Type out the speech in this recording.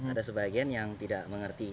ada sebagian yang tidak mengerti